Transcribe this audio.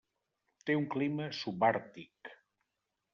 Té un clima subàrtic.